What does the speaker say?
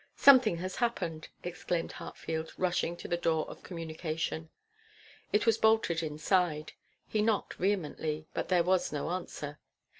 'Something has happened,' exclaimed Hartfield, rushing to the door of communication. It was bolted inside. He knocked vehemently; but there was no answer.